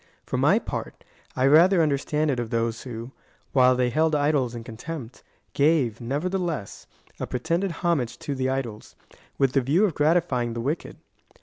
For my part, I rather understand it of those who, while they held idols in contempt, gave, nevertheless, a pre tended homage to the idols, with the view of gratifying the wicked.